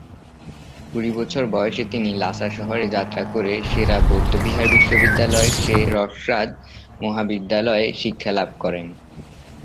কুড়ি বছর বয়সে তিনি লাসা শহরে যাত্রা করে সেরা বৌদ্ধবিহার বিশ্ববিদ্যালয়ের সে-রা-স্মাদ মহাবিদ্যালয়ে শিক্ষালাভ করেন।